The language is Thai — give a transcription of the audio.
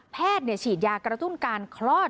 แพทย์ฉีดยากระทุนการคลอด